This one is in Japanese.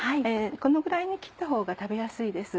このぐらいに切ったほうが食べやすいです。